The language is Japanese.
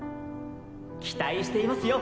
期待していますよ